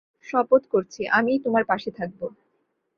শপথ করছি আমিই তোমার পাশে থাকব।